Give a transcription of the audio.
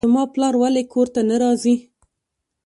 زما پلار ولې کور ته نه راځي.